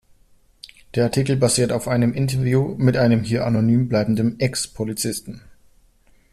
Der Artikel basiert auf einem Interview mit einem hier anonym bleibenden Ex-Polizisten.